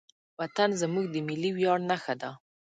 وطن زموږ د ملي ویاړ نښه ده.